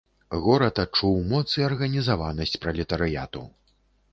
Горад адчуў моц і арганізаванасць пралетарыяту.